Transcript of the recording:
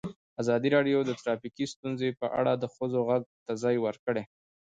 ازادي راډیو د ټرافیکي ستونزې په اړه د ښځو غږ ته ځای ورکړی.